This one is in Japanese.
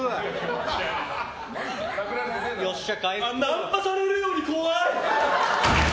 ナンパされるより怖い。